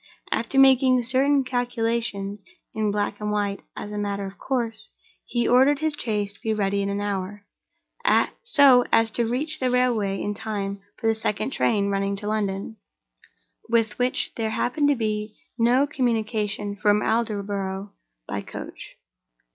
After making certain calculations (in black and white, as a matter of course), he ordered his chaise to be ready in an hour—so as to reach the railway in time for the second train running to London—with which there happened to be no communication from Aldborough by coach.